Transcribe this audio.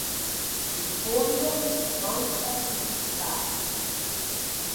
Il fondo consta di ca.